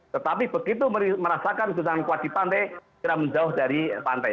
tetapi begitu merasakan hutan kuat di pantai kira menjauh dari pantai